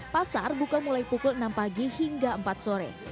pasar buka mulai pukul enam pagi hingga empat sore